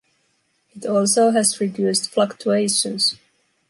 It also has reduced fluctuations.